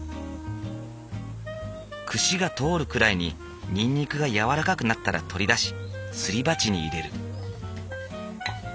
串が通るくらいににんにくが軟らかくなったら取り出しすり鉢に入れる。